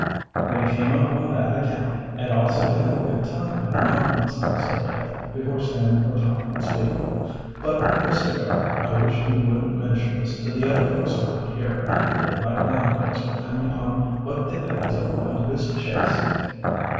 "We came up on that account, and also to have a good time in the mountains," said Dick, before Sam or Tom could speak. "But, Mr. Barrow, I wish you wouldn't mention this to the other folks around here. They might laugh at us for coming on what they think is a wild goose chase."